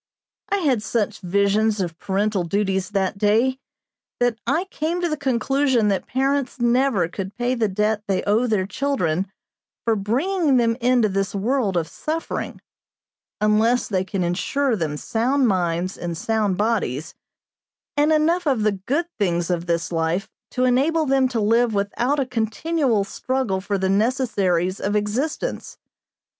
I had such visions of parental duties that day that I came to the conclusion that parents never could pay the debt they owe their children for bringing them into this world of suffering, unless they can insure them sound minds in sound bodies, and enough of the good things of this life to enable them to live without a continual struggle for the necessaries of existence.